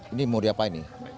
ini mau diapain nih